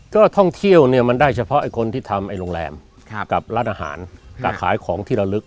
ก็ท่องเที่ยวเนี่ยมันได้เฉพาะไอ้คนที่ทำโรงแรมกับร้านอาหารกับขายของที่ระลึก